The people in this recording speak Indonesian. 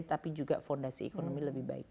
tapi juga fondasi ekonomi lebih baik